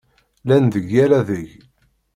Llan deg yal adeg.